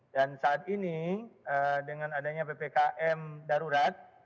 saat ini dengan adanya ppkm darurat